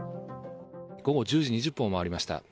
午後１０時２０分を回りました。